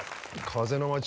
「風の街」